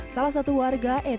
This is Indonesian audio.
salah satu warga e